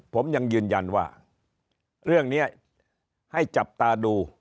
ผมยังยืนยันว่าเรื่องนี้ให้จับตาดู